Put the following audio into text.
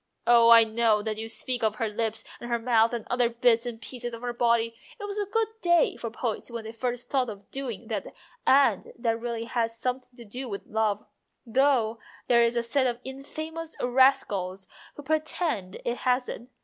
Oh, I know that you speak of her lips and her mouth and other bits and pieces of her body it was a good day for poets when they first thought of doing that and that really has something to do with love, though there is a set of infamous rascals who pretend it hasn't.